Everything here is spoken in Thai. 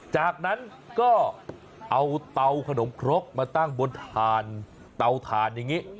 จากนั้นก็เอาเตาขนมครกมาตั้งบนถ่านเตาถ่านอย่างนี้